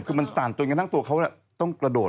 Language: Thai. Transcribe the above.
คือมันสั่นจนกระทั่งตัวเขาต้องกระโดด